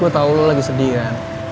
gue tau lo lagi sedih kan